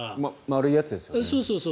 丸いやつですよね。